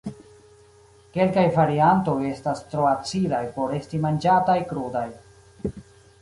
Kelkaj variantoj estas tro acidaj por esti manĝataj krudaj.